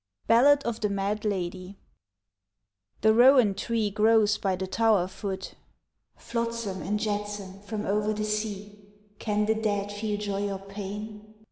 BALLAD OF THE MAD LADYE. The rowan tree grows by the tower foot, (_Flotsam and jetsam from over the sea, Can the dead feel joy or pain?